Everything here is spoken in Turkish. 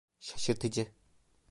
Şaşırtıcı.